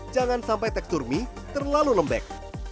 jangan sampai tekstur mie terlalu lembek